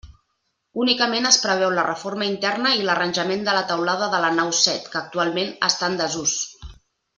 Únicament es preveu la reforma interna i l'arranjament de la teulada de la nau set, que actualment està en desús.